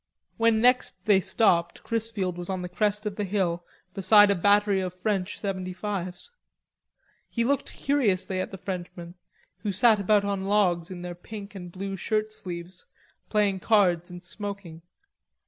When next they stopped Chrisfield was on the crest of the hill beside a battery of French seventy fives. He looked curiously at the Frenchmen, who sat about on logs in their pink and blue shirtsleeves playing cards and smoking.